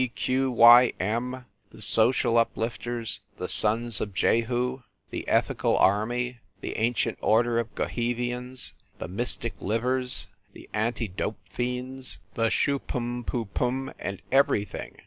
P. D. Q. Y. M., the Social Uplifters, the Sons of Jehu, the Ethical Army, the Ancient Order of Goheevians, the Mys tic Livers, the Anti Dope Fiends, the Shu pm pu pm and everything.